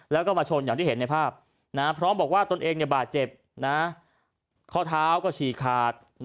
แล้วก็มาชนอย่างที่เห็นในภาพพร้อมบอกว่าตนเองบาดเจ็บข้อเท้าก็ฉี่ขาด